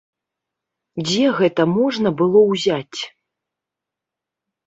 Дзе гэта можна было ўзяць?